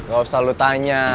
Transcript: gak usah lo tanya